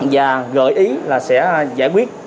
và gợi ý là sẽ giải quyết